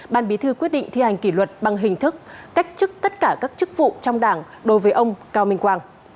ban bí thư quyết định thi hành kỷ luật bằng hình thức cách chức tất cả các chức vụ trong đảng đối với ông cao minh quang